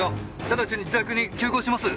直ちに自宅に急行します！